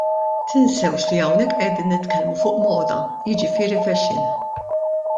Tinsewx li hawnhekk qegħdin nitkellmu fuq moda, jiġifieri fashion.